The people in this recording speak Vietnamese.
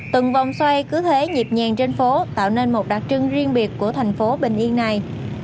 từng vòng xoay cứ thế nhịp nhàng trên phố tạo nên một đặc trưng riêng biệt của thành phố bình yên này